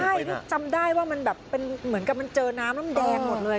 ใช่นี่จำได้ว่ามันแบบเป็นเหมือนกับมันเจอน้ำแล้วแดงหมดเลย